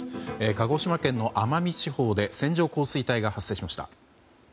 鹿児島県の奄美地方で線状降水帯が発生しました。